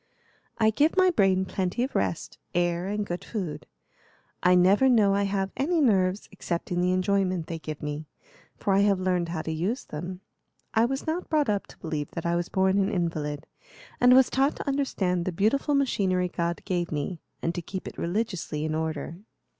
"I give my brain plenty of rest, air, and good food. I never know I have any nerves, except in the enjoyment they give me, for I have learned how to use them. I was not brought up to believe that I was born an invalid, and was taught to understand the beautiful machinery God gave me, and to keep it religiously in order."